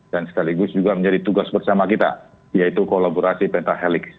dan sekaligus juga menjadi tugas bersama kita yaitu kolaborasi pentahelix